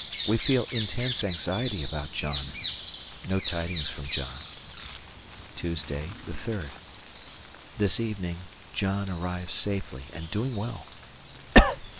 We feel intense anxiety about John. No tidings from John. Tuesday, 3rd. This evening ... John arrived safely and doing well.